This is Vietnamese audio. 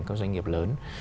các doanh nghiệp lớn